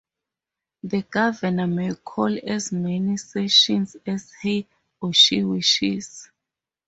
The Governor may call as many sessions as he or she wishes.